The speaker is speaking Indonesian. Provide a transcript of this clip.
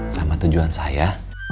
sama tujuan saya